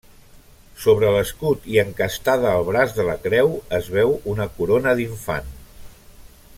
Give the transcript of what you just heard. Sobre l'escut i encastada al braç de la creu es veu una corona d'infant.